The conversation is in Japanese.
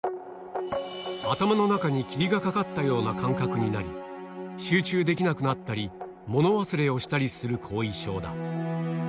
頭の中に霧がかかったような感覚になり、集中できなくなったり、物忘れをしたりする後遺症だ。